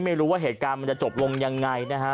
ไม่รู้ว่าเหตุการณ์มันจะจบลงยังไงนะฮะ